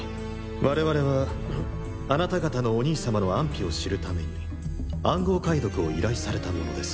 我々はあなた方のお兄様の安否を知るために暗号解読を依頼された者です。